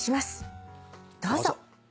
どうぞ。